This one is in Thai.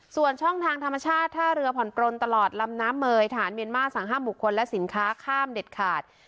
ส่วนช่องทางธรรมชาติท่าเรือผ่อนปลนตลอดลำน้ำเมยทหารเมียนมาร์สั่งห้ามบุคคลและสินค้าข้ามเด็ดขาด